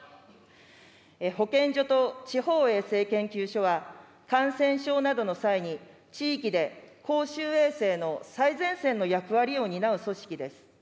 保健所と地方衛生研究所は、感染症などの際に、地域で公衆衛生の最前線の役割を担う組織です。